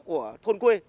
của thôn quê